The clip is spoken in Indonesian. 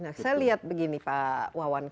nah saya lihat begini pak wawan